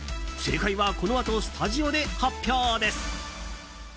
正解は、このあとスタジオで発表です。